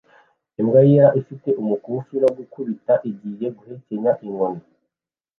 Imbwa yera ifite umukufi no gukubita igiye guhekenya inkoni